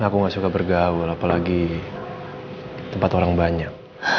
aku gak suka bergaul apalagi tempat orang banyak